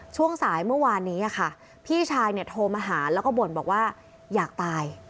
ช่วงสายเมื่อวานนี้ค่ะพี่ชายเนี่ยโทรมาหาแล้วก็บ่นบอกว่าอยากตาย